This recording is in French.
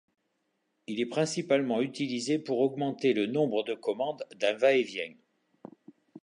Il est principalement utilisé pour augmenter le nombre de commandes d'un va-et-vient.